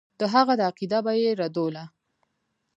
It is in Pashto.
د هغه دا عقیده به یې ردوله.